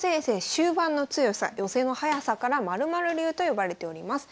終盤の強さ寄せの速さから○○流と呼ばれております。